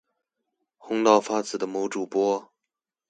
紅到發紫的某主播